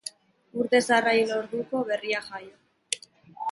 Urte zaharra hil orduko, berria jaio.